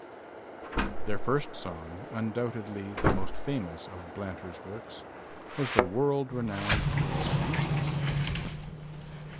Their first song, undoubtedly the most famous of Blanter's works, was the world-renowned "Katyusha".